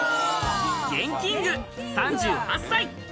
ＧＥＮＫＩＮＧ．３８歳。